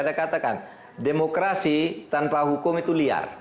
ada yang katakan demokrasi tanpa hukum itu liar